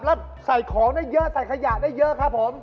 แล้วใส่ของได้เยอะใส่ขยะได้เยอะครับผม